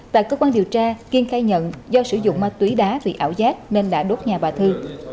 tại cơ quan điều tra kiên khai nhận do sử dụng ma túy đá vì ảo giác nên đã đốt nhà bà thư